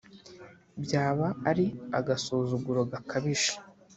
byaba ari agasuzuguro gakabije